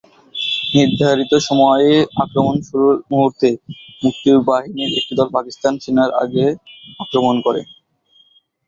নির্ধারিত সময়ে আক্রমণ শুরুর মুহূর্তে মুক্তিবাহিনীর একটি দলকে পাকিস্তানি সেনারা আগে আক্রমণ করে।